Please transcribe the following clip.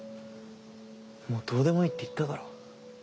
もうどうでもいいって言っただろ。